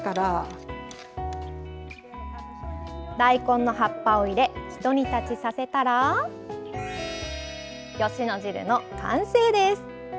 大根の葉っぱを入れひと煮立ちさせたら吉野汁の完成です。